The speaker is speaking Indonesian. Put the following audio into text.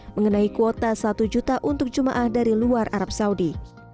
mengenai kuota satu juta untuk jemaah dari luar arab saudi